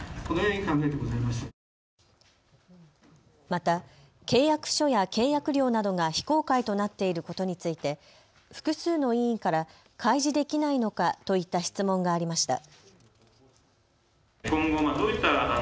また契約書や契約料などが非公開となっていることについて複数の委員から開示できないのかといった質問がありました。